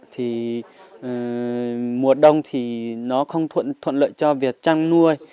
thì mùa đông thì nó không thuận lợi cho việc chăn nuôi